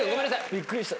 びっくりした。